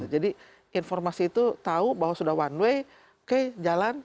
jadi informasi itu tahu bahwa sudah one way oke jalan